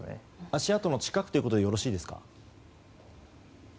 足跡の近くということでよろしいですか？